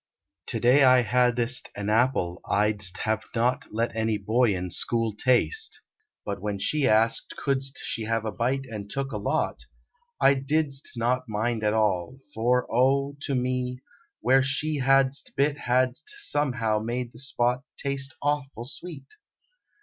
To day I hadst an apple I dst have not Let any boy in school taste, but when she Asked couldst she have a bite and took a lot, I didst not mind at all, for, oh, to me, Where she hadst bit hadst somehow made the spot Taste awful sweet!